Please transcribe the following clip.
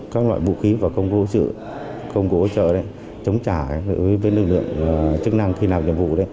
các loại vũ khí và công cụ hỗ trợ chống trả với lực lượng chức năng khi nào nhiệm vụ